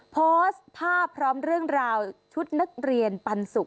โพสต์ภาพพร้อมเรื่องราวชุดนักเรียนปันสุก